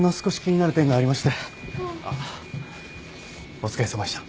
お疲れさまでした。